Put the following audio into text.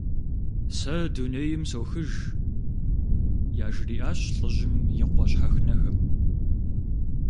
Сэ дунейм сохыж, - яжриӏащ лӏыжьым и къуэ щхьэхынэхэм.